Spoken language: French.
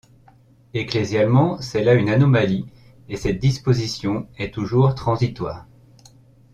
Ecclésialement c’est là une anomalie et cette disposition est toujours transitoire.